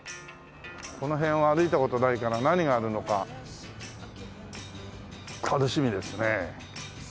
この辺は歩いた事ないから何があるのか楽しみですね。